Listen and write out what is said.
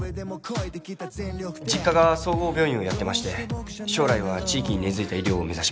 実家が総合病院をやってまして将来は地域に根付いた医療を目指します。